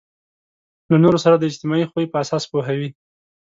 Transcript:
له نورو سره د اجتماعي خوی په اساس پوهوي.